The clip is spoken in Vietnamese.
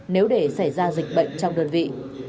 nếu để xảy ra dịch bệnh trong đơn vị